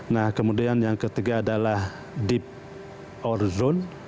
nah kemudian yang ketiga adalah deep ore zone